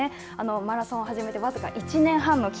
マラソンを始めて僅か１年半の期